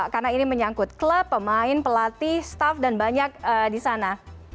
karena ini menyangkut klub pemain pelatih staff dan banyak di sana